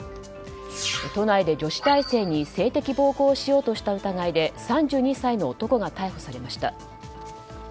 都内で女子大生に性的暴行をしようとした疑いで３２歳の男が逮捕されました。